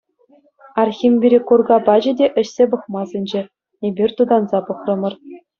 Архим пире курка пачӗ те ӗҫсе пӑхма сӗнчӗ, эпир тутанса пӑхрӑмӑр.